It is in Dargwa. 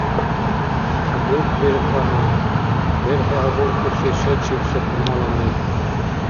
«ДукӀбиркьана» — БерхӀи абулхъуси шайчибси хъумала мер.